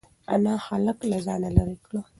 انا هلک له ځانه لرې کړ.